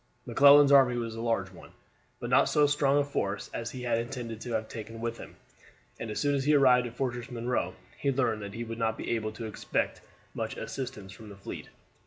McClellan's army was a large one, but not so strong a force as he had intended to have taken with him, and as soon as he arrived at Fortress Monroe he learned that he would not be able to expect much assistance from the fleet.